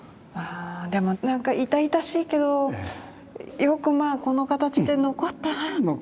でもなんか痛々しいけどよくまあこの形で残ったなって。